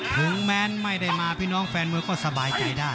ถึงแม้ไม่ได้มาพี่น้องแฟนมวยก็สบายใจได้